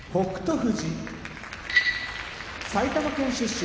富士埼玉県出身